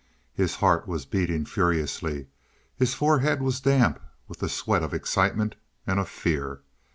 His heart was beating furiously; his forehead was damp with the sweat of excitement and of fear.